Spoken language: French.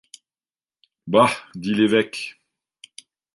Bah! dit l’évêque.